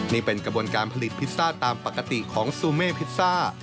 นี่เป็นกระบวนการผลิตพิซซ่าตามปกติของซูเม่พิซซ่า